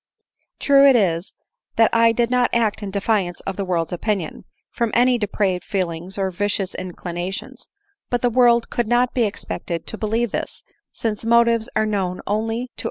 " True it is, that I did not act in defiance of the world's opinion, from any depraved feelings, or vicious inclinations ; but the world could not be expected to be lieve this, since motives are known only to our own 25.